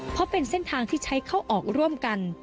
เพราะเป็นเส้นทางที่ใช้เข้าออกร่วมกัน